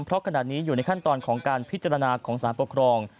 เพราะขณะนี้อยู่ในขั้นตอนของการพิจารณาของสารปกครอง